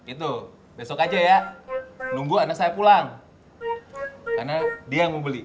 itu besok aja ya nunggu anak saya pulang karena dia membeli